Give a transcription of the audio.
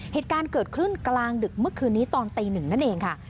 เหตุการณ์เกิดขึ้นกลางดึกเมื่อคืนนี้ตอนตีหนึ่งนั่นเองค่ะ